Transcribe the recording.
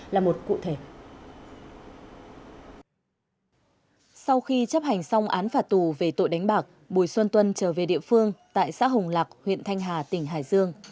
sau khi chấp hành xong án phạt tù về tội đánh bạc bùi xuân tuân trở về địa phương tại xã hùng lạc huyện thanh hà tỉnh hải dương